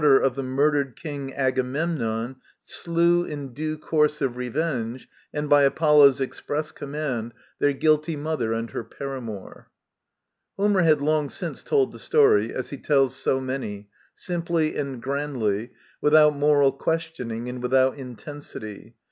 Digitized by VjOOQIC vi INTRODUCTION of the murdered king, Agamemnon, slew, in due course of revenge, and by Apollo's express conunand, their guilty mother and her paramour. Homer had long since told the story, as he tells so many, simply and grandly, without moral questioning and without intensity.